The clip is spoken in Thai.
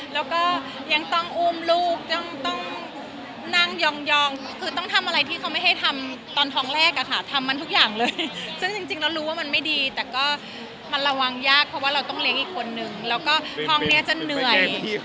แล้วก็ยังต้องอุ้มลูกต้องนั่งยองคือต้องทำอะไรที่เขาไม่ให้ทำตอนท้องแรกอะค่ะทำมันทุกอย่างเลยซึ่งจริงแล้วรู้ว่ามันไม่ดีแต่ก็มันระวังยากเพราะว่าเราต้องเลี้ยงอีกคนนึงแล้วก็ท้องนี้จะเหนื่อย